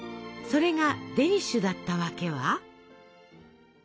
それがデニッシュだったわけは？